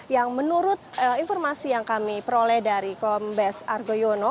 yang menurut informasi yang kami peroleh dari kombes argo yono